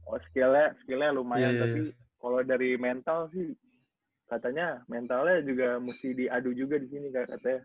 oh skillnya lumayan tapi kalau dari mental sih katanya mentalnya juga mesti diadu juga di sini katanya